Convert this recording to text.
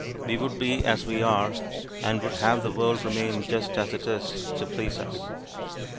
We would be as we are, and would have the world remain just as it is, to please us.